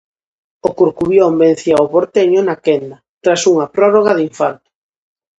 O Corcubión vencía o Porteño na quenda, tras unha prórroga de infarto.